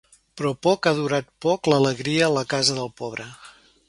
Però poc ha durat poc l’alegria a la casa del pobre.